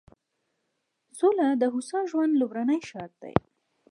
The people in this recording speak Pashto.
سوله د هوسا ژوند لومړنی شرط دی.